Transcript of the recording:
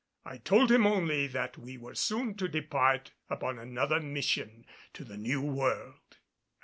I told him only that we were soon to depart upon another mission to the New World.